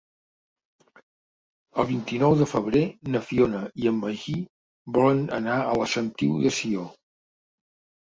El vint-i-nou de febrer na Fiona i en Magí volen anar a la Sentiu de Sió.